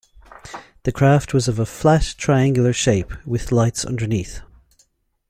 The craft was of a flat, triangular shape, with lights underneath.